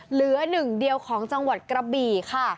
เหลือหนึ่งเดียวของจังหวัดกระบี่ค่ะ